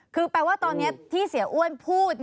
คือแปลว่าตอนนี้ที่เสียอ้วนพูด